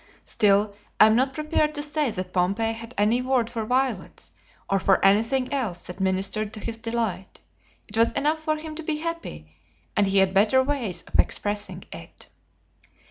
Still, I am not prepared to say that Pompey had any word for violets, or for anything else that ministered to his delight. It was enough for him to be happy; and he had better ways of expressing it.